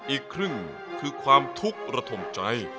อีกครึ่งคือความทุกข์ระถมใจ